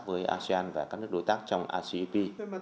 với asean và các nước đối tác trong rcep